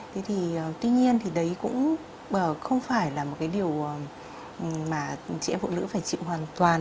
thế thì tuy nhiên thì đấy cũng không phải là một cái điều mà chị em phụ nữ phải chịu hoàn toàn